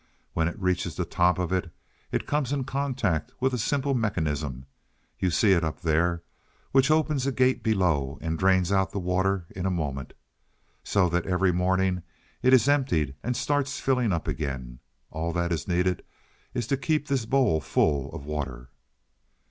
When it reaches the top of it, it comes in contact with a simple mechanism you'll see it up there which opens a gate below and drains out the water in a moment. So that every morning it is emptied and starts filling up again. All that is needed is to keep this bowl full of water."